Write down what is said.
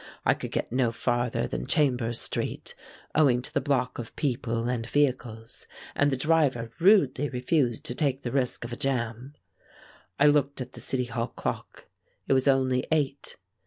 I could get no farther than Chambers Street, owing to the block of people and vehicles, and the driver rudely refused to take the risk of a jam. I looked at the City Hall clock. It was only eight.